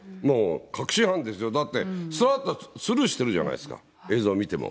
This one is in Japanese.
確信犯ですよ、だって、スルーしてるじゃないですか、映像見ても。